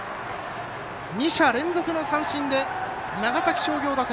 ２者連続の三振で長崎商業打線